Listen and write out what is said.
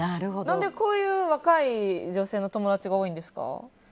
何で若い女性の友達が多いんですか？